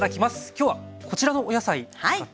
今日はこちらのお野菜使っていくわけですね。